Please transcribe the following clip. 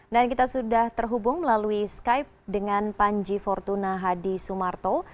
dan kita sudah terhubung melalui skype dengan panji fortuna hadi sumarto